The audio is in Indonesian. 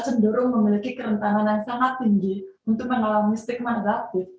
cenderung memiliki kerentanan yang sangat tinggi untuk mengalami stigma negatif